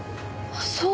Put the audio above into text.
そう！